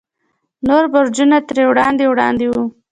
نور برجونه ترې وړاندې وړاندې وو.